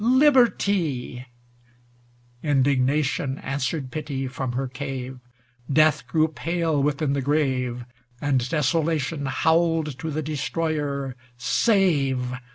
Liberty ! Indignation Answered Pity from her cave; Death grew pale within the grave, And Desolation howled to the destroyer, Save